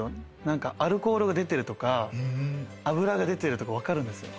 アルコールが出てるとか脂が出てるとか分かるんですよ。